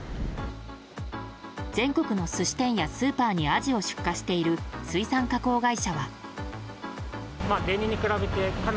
全国の寿司店やスーパーにアジを出荷している水産加工会社は。